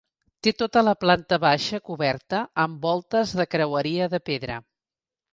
Té tota la planta baixa coberta amb voltes de creueria de pedra.